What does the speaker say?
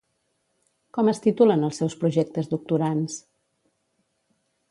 Com es titulen els seus projectes doctorands?